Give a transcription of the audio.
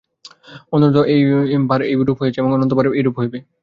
অনন্ত বার এইরূপ হইয়াছে এবং অনন্ত বার এইরূপ হইবে।